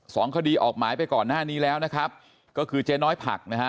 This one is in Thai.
สองคดีออกหมายไปก่อนหน้านี้แล้วนะครับก็คือเจ๊น้อยผักนะฮะ